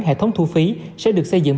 hệ thống thu phí sẽ được xây dựng